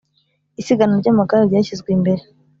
Isiganwa ry’amagare ryashyizwe imbere